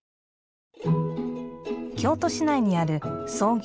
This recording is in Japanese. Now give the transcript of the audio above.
京都市内にある創業